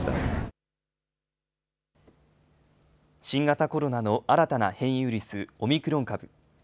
新型コロナの新たな変異ウイルス、オミクロン株。